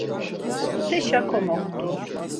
Op̌uteşa komoxtu.